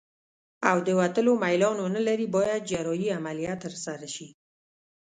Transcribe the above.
او د وتلو میلان ونلري باید جراحي عملیه ترسره شي.